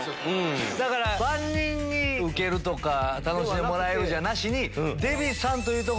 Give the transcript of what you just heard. だから万人に受けるとか楽しんでもらえるじゃなしに。